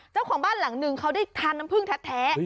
เจ้าของบ้านหลังนึงเขาได้ทานน้ำผึ้งแท้